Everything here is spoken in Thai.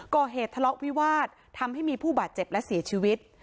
ก่อเหตุทะเลาะวิวาสทำให้มีผู้บาดเจ็บและเสียชีวิต